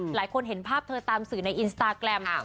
หลายคนเห็นภาพเธอตามสื่อในอินสตาแกรม